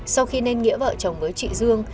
sau khi nên nghĩa vợ chồng với chị dương